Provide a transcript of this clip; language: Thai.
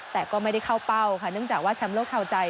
แต่ก็ไม่ได้เข้าเป้าค่ะเนื่องจากว่าแชมป์โลกเทาใจ